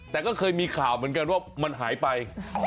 แต่ก็เคยมีข่าวเหมือนกันว่ามันหายไป